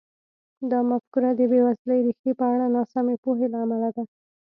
دا مفکوره د بېوزلۍ ریښې په اړه ناسمې پوهې له امله ده.